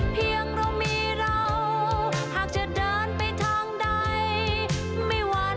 เรามีเราหากจะเดินไปทางใดไม่วัน